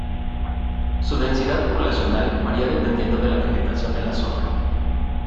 Su densidad poblacional varía dependiendo de la vegetación de la zona.